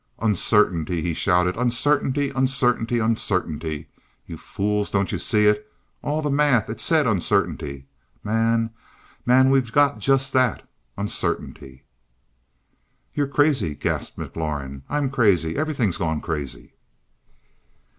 "Uncertainty!" he shouted. "Uncertainty uncertainty uncertainty, you fools! Don't you see it? All the math it said uncertainty man, man we've got just that uncertainty!" "You're crazy," gasped McLaurin. "I'm crazy, everything's gone crazy."